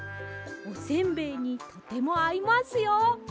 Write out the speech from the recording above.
おせんべいにとてもあいますよ。